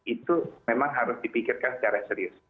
itu memang harus dipikirkan secara serius